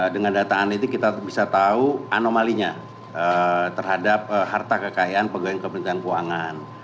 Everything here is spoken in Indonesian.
dengan data analitik kita bisa tahu anomalinya terhadap harta kekayaan pegawai yang kepentingan keuangan